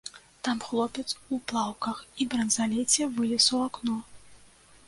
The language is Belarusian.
Там хлопец у плаўках і бранзалеце вылез у акно.